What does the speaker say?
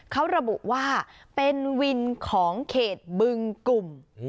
เขาระบุว่าเป็นวินของเขตบึงกลุ่ม